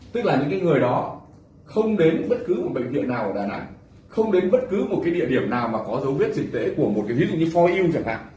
tức là những cái người đó không đến bất cứ một bệnh viện nào ở đà nẵng không đến bất cứ một cái địa điểm nào mà có dấu viết trình tế của một cái ví dụ như bốn u chẳng hạn